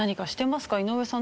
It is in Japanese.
井上さん